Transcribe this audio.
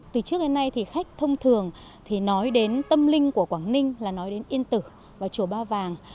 từ trước đến nay thì khách thông thường thì nói đến tâm linh của quảng ninh là nói đến yên tử và chùa ba vàng